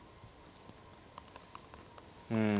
うん。